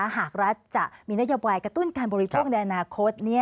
หากรัฐจะมีนโยบายกระตุ้นการบริโภคในอนาคต